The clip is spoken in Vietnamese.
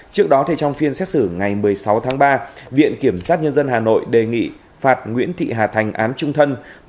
trước đó trong phiên xét xử ngày một mươi sáu tháng ba viện kiểm sát nhân dân hà nội đề nghị phạt nguyễn thị hà thành án trung thân